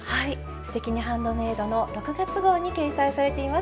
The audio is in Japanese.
「すてきにハンドメイド」の６月号に掲載されています。